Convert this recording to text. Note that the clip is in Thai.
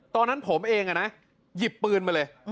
ตอนนั้นผมเองหยิบปืนมาเลย